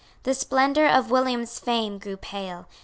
The splendour of William's fame grew pale.